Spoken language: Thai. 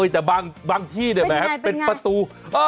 แต่บางที่เป็นประตู